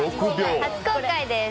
初公開です。